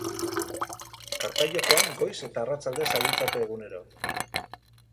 Karta jokoan goiz eta arratsalde zabiltzate egunero.